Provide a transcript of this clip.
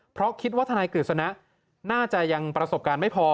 เพราะคิดว่าทนายกฤษณะน่าจะยังประสบการณ์ไม่พอ